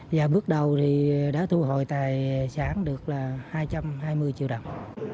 và bước đầu thì đã thu hồi tài sản được là hai trăm hai mươi triệu đồng